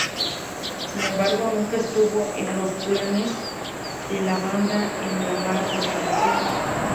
Sin embargo, nunca estuvo en los planes de la banda el grabar esta versión.